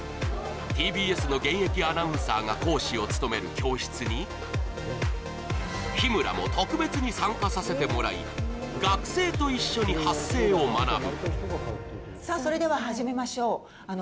ＴＢＳの現役アナウンサーが講師を務める教室に日村も特別に参加させてもらい学生と一緒に発声を学ぶ。